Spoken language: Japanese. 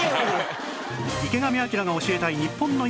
池上彰が教えたい日本の今